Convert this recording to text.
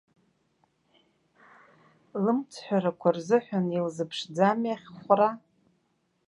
Лымцҳәарақәа рзыҳәан илзыԥшӡами ахьхәра?